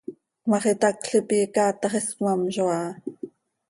Cmaax itacl ipi icaatax iscmamzo aha.